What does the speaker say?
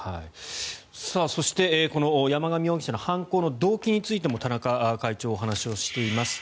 そしてこの山上容疑者の犯行の動機についても田中会長はお話をしています。